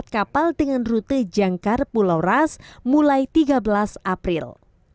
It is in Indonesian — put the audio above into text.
empat kapal dengan rute jangkar pulau ras mulai tiga belas april